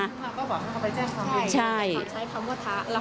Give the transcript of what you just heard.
เขาบอกว่าเขาไปแจ้งความเลยนะครับใช่